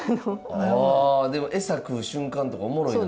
ああでも餌食う瞬間とかおもろいね